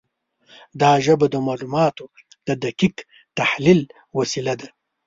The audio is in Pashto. دا ژبه د معلوماتو د دقیق تحلیل وسیله ده.